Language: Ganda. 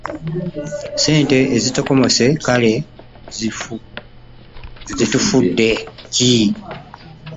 Ssente ezitokomose kale zitufudde ki?